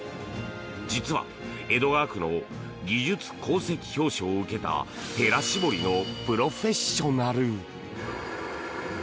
実は江戸川区の技術功績表彰を受けたへら絞りのプロフェッショナル。